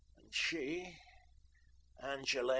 and she, Angele...